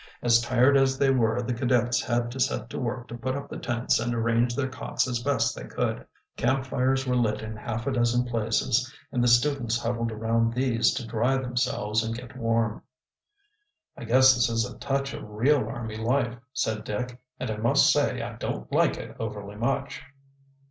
As tired as they were the cadets had to set to work to put up the tents and arrange their cots as best they could. Camp fires were lit in half a dozen places and the students huddled around these to dry themselves and get warm. "I guess this is a touch of real army life," said Dick. "And I must say I don't like it overly much."